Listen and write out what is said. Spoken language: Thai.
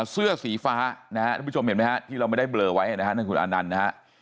เสื้อสีฟ้าพี่ชมเห็นไหมที่เราไม่ได้เบลอไว้นั่นคือคุณอานันด์